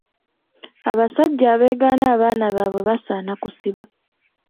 Abasajja abeegaana abaana baabwe basaana kusiba.